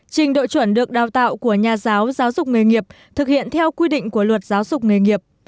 trình độ chuẩn được đào tạo của nhà giáo giáo dục nghề nghiệp thực hiện theo quy định của luật giáo dục nghề nghiệp